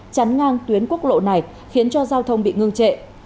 chắn ngang tuyến quốc lộ này khiến cho giao thông bị ngưng trệ